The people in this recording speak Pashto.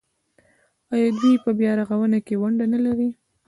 آیا دوی په بیارغونه کې ونډه نلره؟